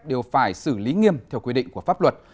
đều phải xử lý nghiêm theo quy định của pháp luật